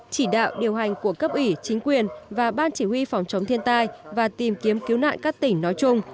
chỉ đạo điều hành của cấp ủy chính quyền và ban chỉ huy phòng chống thiên tai và tìm kiếm cứu nạn các tỉnh nói chung